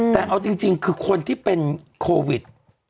แต่เอาจริงคือคนที่เป็นโควิด